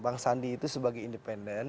bang sandi itu sebagai independen